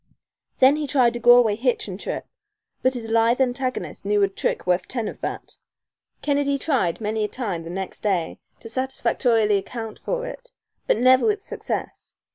Then he tried a Galway hitch and trip, but his lithe antagonist knew a trick worth ten of that. Kennedy tried many a time next day to satisfactorily account for it, but never with success.